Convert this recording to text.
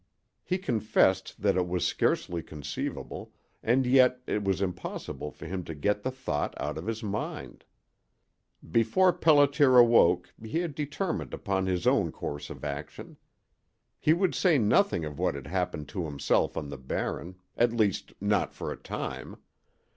He confessed that it was scarcely conceivable, and yet it was impossible for him to get the thought out of his mind. Before Pelliter awoke he had determined upon his own course of action. He would say nothing of what had happened to himself on the Barren, at least not for a time.